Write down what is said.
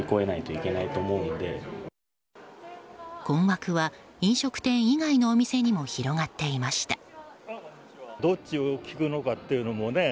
困惑は飲食店以外のお店にも広がっていました。